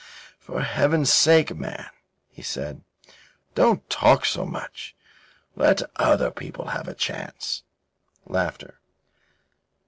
"For Heaven's sake, man," he said, "don't talk so much. Let other people have a chance.